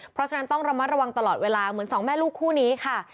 เพราะฉะนั้นต้องระมัดระวังตลอดเวลาเหมือนสองแม่ลูกคู่นี้ค่ะ